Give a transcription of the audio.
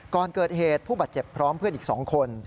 ก่อนเกิดเหตุผู้บาดเจ็บพร้อมเพื่อนอีก๒คน